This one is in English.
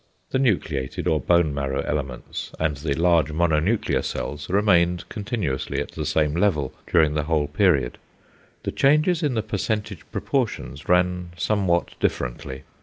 The nucleated or bone marrow elements and the large mononuclear cells remained continuously at the same level during the whole period. The changes in the percentage proportions ran somewhat differently.